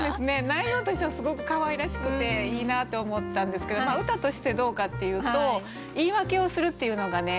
内容としてはすごくかわいらしくていいなって思ったんですけど歌としてどうかっていうと「言い訳をする」っていうのがね